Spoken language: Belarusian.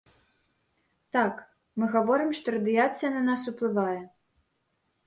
Так, мы гаворым, што радыяцыя на нас уплывае.